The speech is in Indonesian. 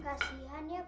kasian ya pak